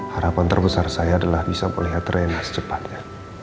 harapan terbesar saya adalah bisa melihat tren secepatnya